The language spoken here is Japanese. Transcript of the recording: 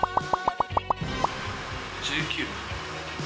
１９。